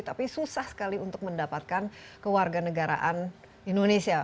tapi susah sekali untuk mendapatkan ke warga negaraan indonesia